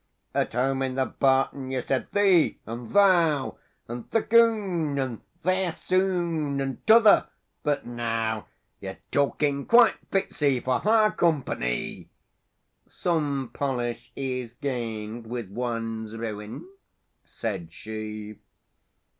—"At home in the barton you said 'thee' and 'thou,' And 'thik oon,' and 'theäs oon,' and 't'other'; but now Your talking quite fits 'ee for high compa ny!"— "Some polish is gained with one's ruin," said she.